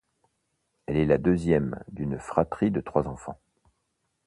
Elle est la deuxième d’une fratrie de trois enfants.